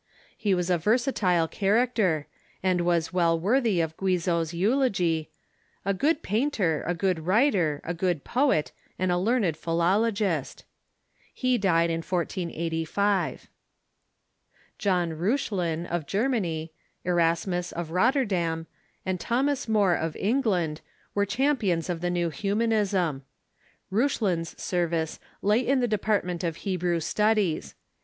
He was a versatile character, and was well worthy of Guizot's eulogy: "A good painter, a good Avriter, a good poet, and a learned philologist." He died in 1485. John Keuchlin, of Germany, Erasmus, of Rotterdam, and Thomas More, of England, were champions of the new Hu Reuchiin "^''^"i'^i^ Reuchlin's service lay in the department More, of Hebrew studies.